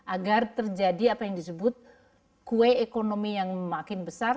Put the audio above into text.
agar terjadi apa yang disebut kue ekonomi yang makin besar